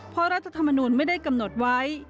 เพราะรัฐธรรมนูลไม่ได้กำหนดไว้